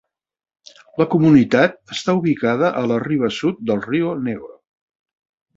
La comunitat està ubicada a la riba sud del Río Negro